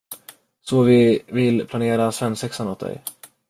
Så vi vill planera svensexan åt dig.